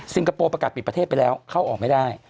คโปร์ประกาศปิดประเทศไปแล้วเข้าออกไม่ได้